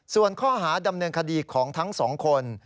ส่วนข้อหาดำเนินคดีของทั้งสองคน